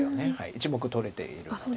１目取れているので。